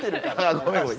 ごめんごめん。